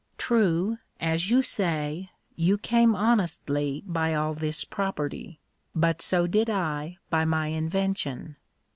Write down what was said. True, as you say, you came honestly by all this property : but so did I by my invention.